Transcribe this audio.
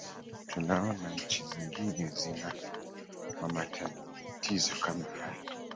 tunaona nchi zingine zina ma matatizo kama haya